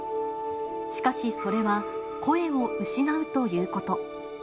しかしそれは、声を失うということ。